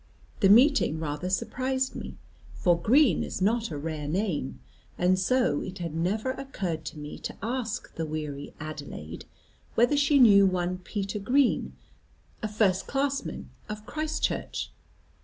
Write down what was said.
The meeting rather surprised me, for Green is not a rare name, and so it had never occurred to me to ask the weary Adelaide whether she knew one Peter Green, a first class man of Christchurch.